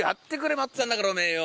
待ってたんだからお前よ。